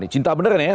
cinta bener ya